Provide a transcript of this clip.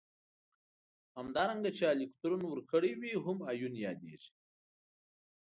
همدارنګه چې الکترون ورکړی وي هم ایون یادیږي.